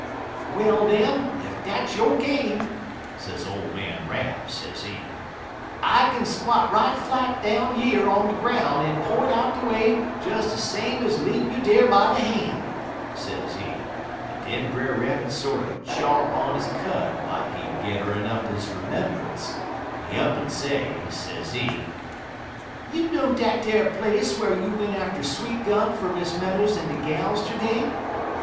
"'Well, den, ef dat's yo' game,' sez ole man Rab., sezee, 'I kin squot right flat down yer on de groun' en p'int out de way des de same ez leadin' you dar by de han',' sezee; en den Brer Rabbit sorter chaw on he cud lak he gedder'n up his 'membunce, en he up'n say, sezee: "'You know dat ar place whar you went atter sweetgum fer Miss Meadows en de gals t'er day?'